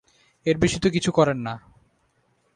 এর বেশি তো কিছু করেন না!